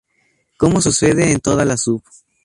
Como sucede en toda la sub.